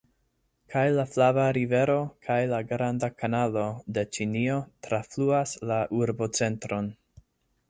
Kaj la Flava Rivero kaj la Granda Kanalo de Ĉinio trafluas la urbocentron.